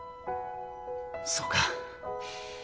そうか。